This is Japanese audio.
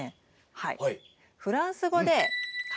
はい。